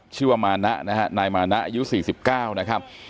ชื่อว่ามานะนะฮะนายมานะอายุ๔๙นะครับ